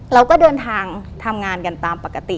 เราก็เดินทางทำงานกันตามปกติ